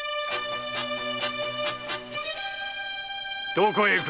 どこへ行く？